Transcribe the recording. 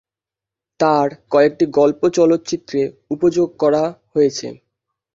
তার কয়েকটি গল্প চলচ্চিত্রে উপযোগ করা হয়েছে।